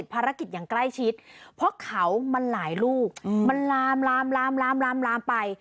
ภารกิจอย่างใกล้ชิดเพราะเขามันหลายลูกมันลามลามลามลามไป